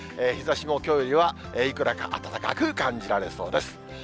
日ざしもきょうよりは、いくらか暖かく感じられそうです。